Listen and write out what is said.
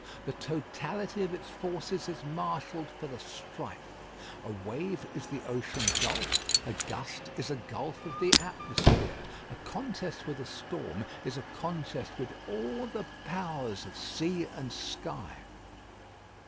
The totality of its forces is marshalled for the strife. A wave is the ocean gulf; a gust is a gulf of the atmosphere. A contest with a storm is a contest with all the powers of sea and sky.